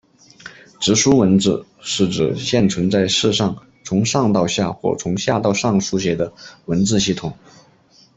直书文字是指现存在世上从上到下或从下到上书写的文字系统。